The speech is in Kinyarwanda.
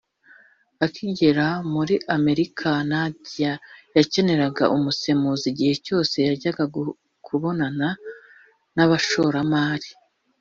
akigera muri amerika nadia yakeneraga umusemuzi igihe cyose yajyaga kubonana nabashoramari